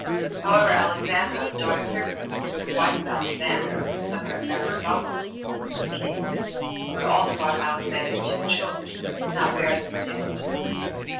5. However, Alexandra, the daughter of Hyrcanus, and wife of Alexander, the son of Aristobulus the king, who had also brought Alexander [two] children, could not bear this indignity.